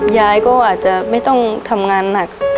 ยายก็อาจจะไม่ต้องทำงานหนัก